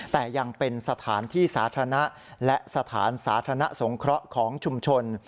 แต่ยังเป็นสถานที่สาธารณะและสถานสาธารณะสงเคราะห์ของชุมชน